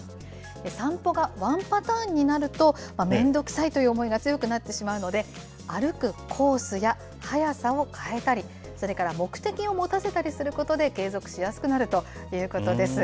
散歩がワンパターンになると、面倒くさいという思いが強くなってしまうので、歩くコースや速さを変えたり、それから目的を持たせたりすることで、継続しやすくなるということです。